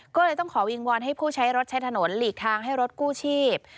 ก็เลยต้องขอวิงวอนให้ผู้ใช้รถใช้ถนนหลีกทางให้รถกู้ชีพ